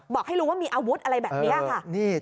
ให้รู้ว่ามีอาวุธอะไรแบบนี้ค่ะ